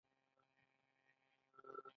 دا ټول زموږ دي